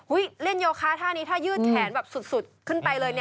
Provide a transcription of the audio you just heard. เล่นโยคะท่านี้ถ้ายืดแขนแบบสุดขึ้นไปเลย